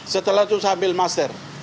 setelah itu saya ambil master